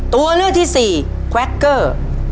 ตัวเลือกที่๔ควะเกอร์